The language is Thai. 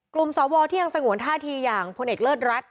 กลุ่มสวที่เรียกสงวนท่าทีอย่างพเอกเลิศรัฐ